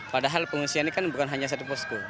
padahal pengungsian ini kan bukan hanya satu posko